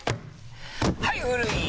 はい古い！